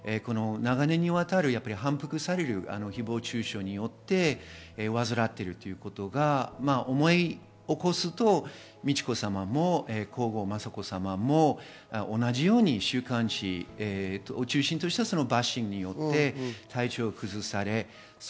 障害を長年にわたり反復される誹謗中傷によって患っているということが、思い起こすと美智子さまも皇后・雅子さまも同じように週刊誌を中心としたバッシングによって体調を崩されました。